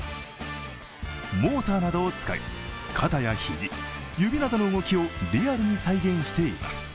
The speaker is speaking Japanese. モーターなどを使い、肩や肘、指などの動きをリアルに再現しています。